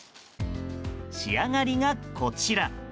仕上がりが、こちら。